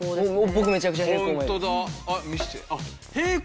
僕めちゃくちゃ平行。